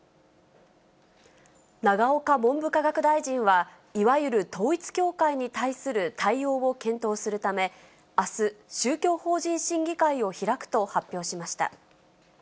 永岡文部科学大臣は、いわゆる統一教会に対する対応を検討するため、あす、宗教法人審議会を開くと発表しました。